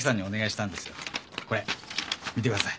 これ見てください。